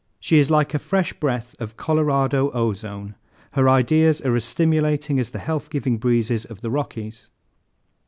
She is like a fresh breath of Colorado ozone. Her ideas are as stimulating as the health giving breezes of the Rockies."